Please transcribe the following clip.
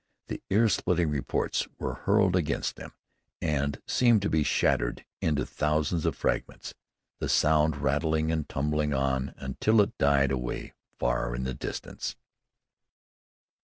The ear splitting reports were hurled against them and seemed to be shattered into thousands of fragments, the sound rattling and tumbling on until it died away far in the distance.